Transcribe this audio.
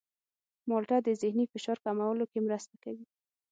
مالټه د ذهني فشار کمولو کې مرسته کوي.